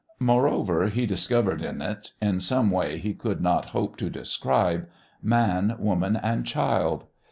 Moreover, he discovered in it, in some way he could not hope to describe, man, woman, and child.